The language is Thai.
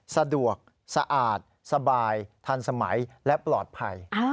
สะดวกสะอาดสบายทันสมัยและปลอดภัย